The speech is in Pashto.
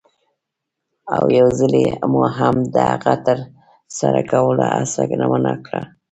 او یوځلې مو هم د هغه د ترسره کولو هڅه هم ونه کړه.